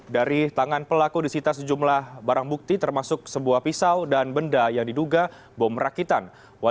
dari tangan pelaku disita sejumlah barang bukti termasuk sebuah pisau dan benda yang diduga bom rakitan